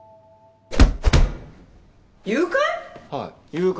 誘拐？